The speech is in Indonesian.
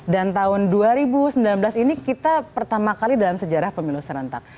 dan tahun dua ribu sembilan belas ini kita pertama kali dalam sejarah pemilih serentak